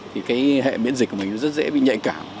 thì hệ biện dịch của mình rất dễ bị nhạy cảm